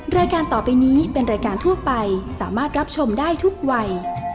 รายการต่อไปนี้เป็นรายการทั่วไปสามารถรับชมได้ทุกวัย